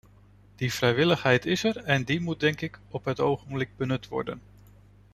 Die vrijwilligheid is er en die moet denk ik op het ogenblik benut worden.